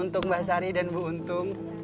untuk mbak sari dan bu untung